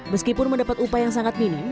meskipun mendapat upaya yang sangat minim